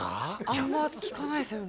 あんま聞かないですよね